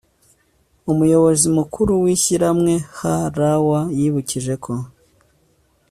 umuyobozi mukuru w'ishyirahamwe hrw yibukije ko